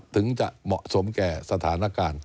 ถึงจะเหมาะสมแก่สถานการณ์